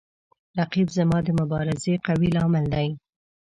رقیب زما د مبارزې قوي لامل دی